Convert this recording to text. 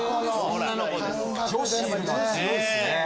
女子は強いですね。